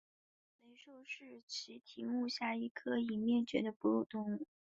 雷兽是奇蹄目下一科已灭绝的哺乳动物。